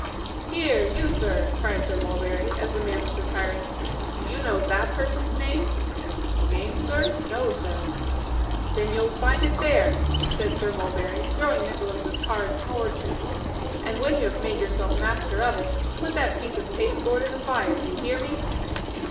'Here, you sir,' cried Sir Mulberry, as the man was retiring; 'do you know THAT person's name?' 'Name, sir? No, sir.' 'Then you'll find it there,' said Sir Mulberry, throwing Nicholas's card towards him; 'and when you have made yourself master of it, put that piece of pasteboard in the fire do you hear me?